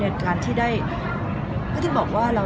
ไม่มีแรกการที่ได้พอที่บอกว่ารัก